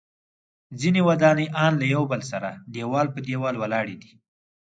ځینې ودانۍ ان له یو بل سره دیوال په دیوال ولاړې دي.